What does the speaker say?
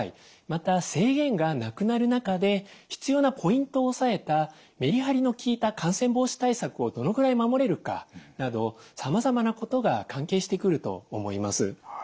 また制限がなくなる中で必要なポイントを押さえたメリハリの効いた感染防止対策をどのぐらい守れるかなどさまざまなことが関係してくると思います。